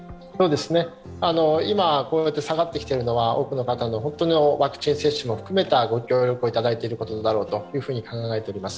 今、こうやって下がってきているのは、多くの方のワクチン接種も含めたご協力をいただいていることだろうと考えております。